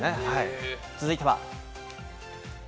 続いては。